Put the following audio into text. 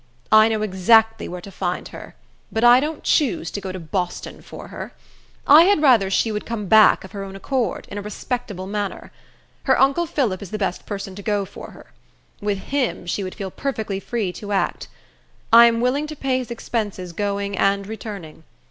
I know exactly where to find her; but I don't choose to go to Boston for her. I had rather she would come back of her own accord, in a respectable manner. Her uncle Phillip is the best person to go for her. With him, she would feel perfectly free to act. I am willing to pay his expenses going and returning.